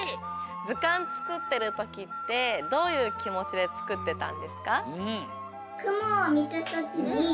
ずかんつくってるときってどういうきもちでつくってたんですか？